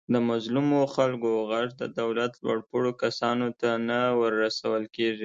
د مظلومو خلکو غږ د دولت لوپوړو کسانو ته نه ورسول کېږي.